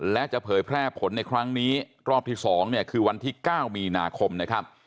และจะเผยแพร่ผลในครั้งนี้รอบที่๒เนี่ยคือวันที่๙มีนาคมนะครับ